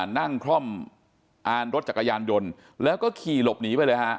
คล่อมอาร์รถจักรยานยนต์แล้วก็ขี่หลบหนีไปเลยฮะ